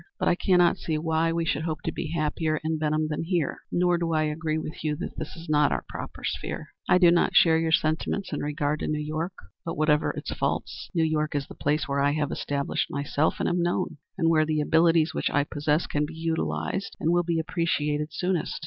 But I cannot see why we should hope to be happier in Benham than here, nor do I agree with you that this is not our proper sphere. I do not share your sentiments in regard to New York; but whatever its faults, New York is the place where I have established myself and am known, and where the abilities which I possess can be utilized and will be appreciated soonest.